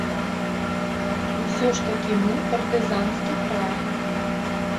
Усё ж такі мы партызанскі край.